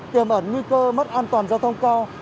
tiềm ẩn nguy cơ mất an toàn giao thông cao